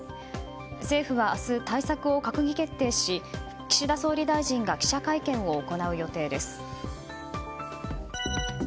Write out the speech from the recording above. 政府は明日対策を閣議決定し岸田総理大臣が記者会見を行う予定です。